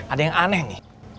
ada yang aneh nih